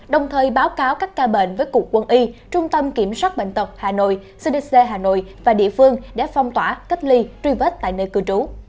đồng thời báo cáo các ca bệnh với cục quân y trung tâm kiểm soát bệnh tật hà nội cdc hà nội và địa phương để phong tỏa cách ly truy vết tại nơi cư trú